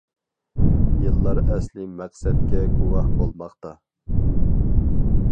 يىللار ئەسلىي مەقسەتكە گۇۋاھ بولماقتا.